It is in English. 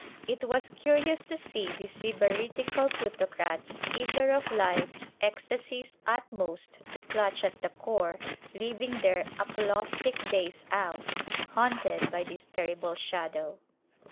It was curious to see these sybaritical plutocrats, eager of life's "ecstasy's utmost to clutch at the core," living their apolaustic days out, haunted by this terrible shadow.